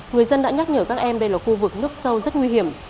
người dân đã nhắc nhở các em đây là khu vực nước sâu rất nguy hiểm